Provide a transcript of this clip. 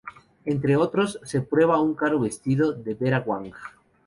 Entre otros, se prueba un caro vestido de Vera Wang.